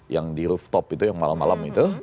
yang di rooftop itu yang malam malam itu